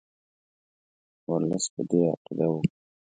ورلسټ په دې عقیده وو.